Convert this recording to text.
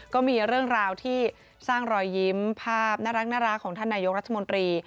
ก็มีเรื่องราวที่สร้างรอยยิ้มภาพน่ารักของท่านนายกรัฐมนตรี